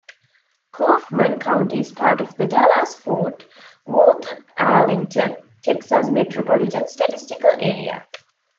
Kaufman County is part of the Dallas-Fort Worth-Arlington, Texas Metropolitan Statistical Area.